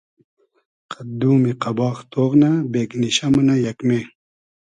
قئد دومی قئباغ تۉغ نۂ ، بېگنیشۂ مونۂ یئگمې